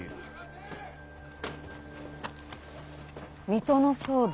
水戸の騒動？